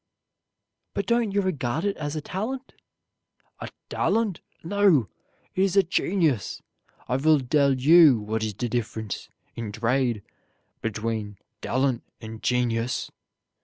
"But don't you regard it as a talent?" "A dalent? No! It is chenius. I vill dell you what is de difference, in drade, between dalent and chenius.